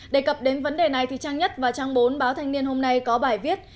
đề cập đến vấn đề này thì trang nhất và trang bốn báo thanh niên hôm nay có bài viết